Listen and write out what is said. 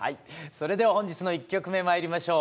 それでは本日の１曲目まいりましょう。